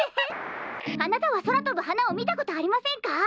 あなたはそらとぶはなをみたことありませんか？